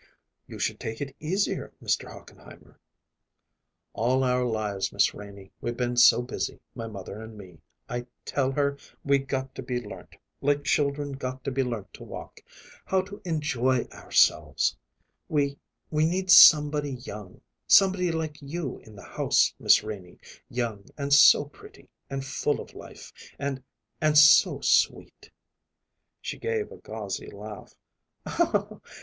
"You should take it easier, Mr. Hochenheimer." "All our lives, Miss Renie, we've been so busy, my mother and me, I tell her we got to be learnt like children got to be learnt to walk how to enjoy ourselves. We we need somebody young somebody like you in the house, Miss Renie young and so pretty, and full of life, and and so sweet." She gave a gauzy laugh.